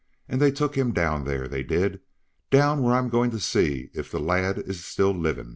And they took him down there, they did! down where I'm goin' to see if the lad is still livin'."